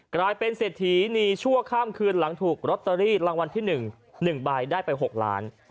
กลายเป็นเศรษฐีนีชั่วข้ามคืนหลังถูกลอตเตอรี่รางวัลที่๑๑ใบได้ไป๖ล้าน